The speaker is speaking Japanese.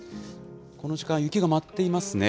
この時間、雪が舞っていますね。